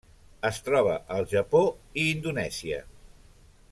Es troba al Japó i Indonèsia.